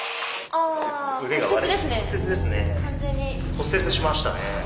骨折しましたね。